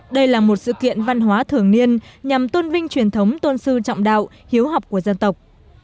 đây là một sự kiện văn hóa thường niên nhằm tôn vinh truyền thống tôn sư trọng đạo hiếu học của dân tộc